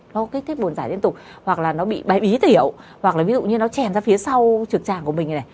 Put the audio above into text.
nó kích thích bồn giải liên tục hoặc là nó bị bái bí tiểu hoặc là ví dụ như nó chèn ra phía sau trực trạng của mình này